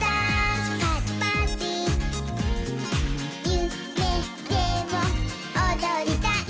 「ゆめでもおどりたい」